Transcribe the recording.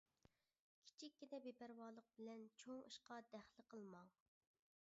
كىچىككىنە بىپەرۋالىق بىلەن چوڭ ئىشقا دەخلى قىلماڭ.